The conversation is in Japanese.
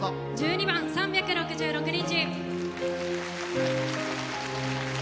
１２番「３６６日」。